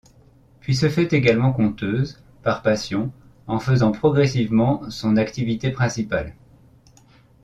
Puis se fait également conteuse, par passion, en faisant progressivement son activité principale.